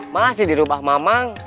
masih di rumah mamang